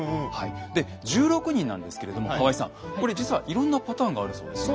で１６人なんですけれども河合さんこれ実はいろんなパターンがあるそうですね。